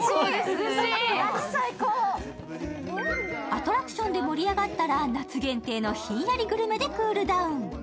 アトラクションで盛り上がったら夏限定のひんやりグルメでクールダウン。